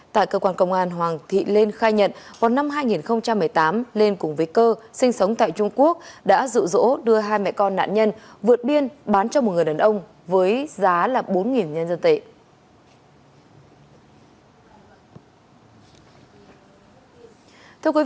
tại cơ quan công an hoàng thị lên khai nhận vào năm hai nghìn một mươi tám lên cùng với cơ sinh sống tại trung quốc đã dự dỗ đưa hai mẹ con nạn nhân vượt biên bán cho một người đàn ông với giá là bốn nhân dân tệ